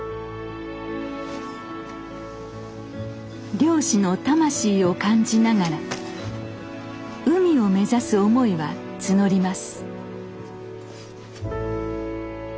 漁師の魂を感じながら海を目指す思いは募ります。